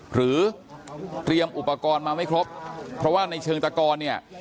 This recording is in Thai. หรือเตรียมอุปกรณ์มาไม่ครบเพราะว่าในเชิงตะกอนเนี่ย